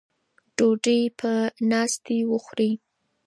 ډوډۍ په ناستې وخورئ.